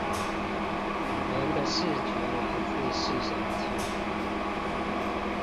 人的視覺來自視神經